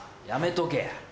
やめとけや！